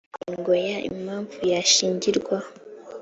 ingingo ya…: impamvu zashingirwaho